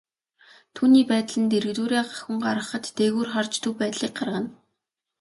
Түүний байдал нь дэргэдүүрээ хүн гарахад, дээгүүр харж төв байдлыг гаргана.